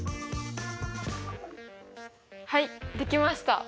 はいできました。